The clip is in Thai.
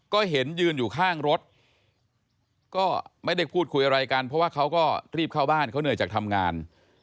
ก็เห็นยืนอยู่ข้างรถก็ไม่ได้พูดคุยอะไรกันเพราะว่าเขาก็รีบเข้าบ้านเขาเหนื่อยจากทำงาน